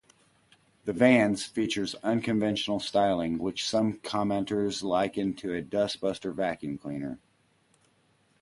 The vans features unconventional styling, which some commenters likened to a DustBuster vacuum cleaner.